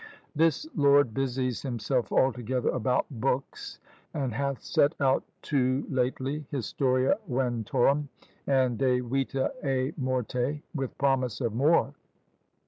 "This lord busies himself altogether about books, and hath set out two lately, Historia Ventorum and De Vitâ et Morte, with promise of more.